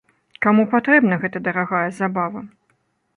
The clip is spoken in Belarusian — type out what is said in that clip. Каму патрэбна гэтая дарагая забава?